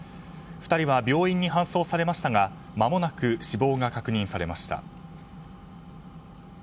２人は病院に搬送されましたがまもなく死亡が確認されました。